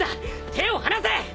手を離せ！